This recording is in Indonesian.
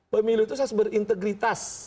pemilu itu sesuai integritas